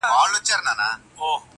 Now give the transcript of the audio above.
موږ ګناه کار یو چي مو ستا منله,